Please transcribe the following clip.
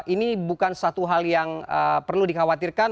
ini bukan satu hal yang perlu dikhawatirkan